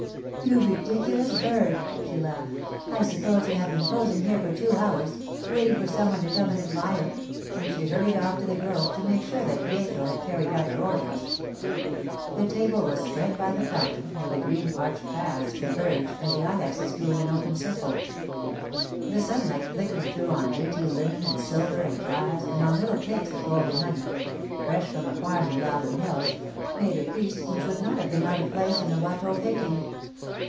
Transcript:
'You ridiculous bird!' she laughed. 'I suppose you have been posing here for two hours, waiting for some one to come and admire,' and she hurried off to the grove to make sure that Pietro had carried out her orders. The table was spread by the fountain, where the green arched paths converged and the ilexes grew in an open circle. The sunlight flickering through on dainty linen and silver and glass and on little cakes of golden honey—fresh from a farm in the Alban hills—made a feast which would not have been out of place in a Watteau painting.